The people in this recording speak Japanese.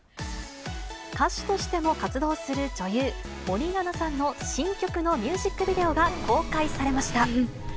歌手としても活動する女優、森七菜さんの新曲のミュージックビデオが公開されました。